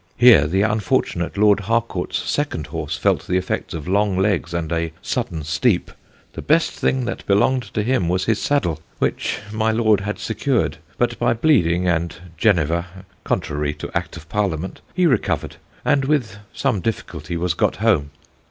Here the unfortunate Lord Harcourt's second horse felt the effects of long legs and a sudden steep; the best thing that belonged to him was his saddle, which My Lord had secured; but, by bleeding and Geneva (contrary to Act of Parliament) he recovered, and with some difficulty was got home.